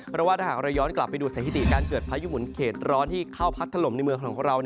เพราะว่าถ้าหากเราย้อนกลับไปดูสถิติการเกิดพายุหมุนเขตร้อนที่เข้าพัดถล่มในเมืองของเรา